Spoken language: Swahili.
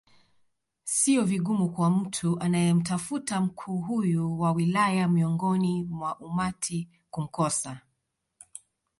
Sio vigumu kwa mtu anayemtafuta mkuu huyu wa wilaya miongoni mwa umati kumkosa